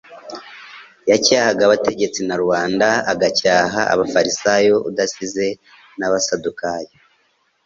yacyahaga abategetsi na rubanda, agacyaha abafarisayo udasize n'abasadukayo.